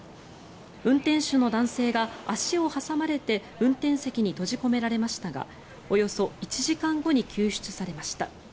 運転手の男性が足を挟まれて運転席に閉じ込められましたがおよそ１時間後に救出されました。